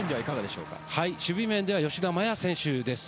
守備面では吉田麻也選手です。